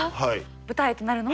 舞台となるのはこちら。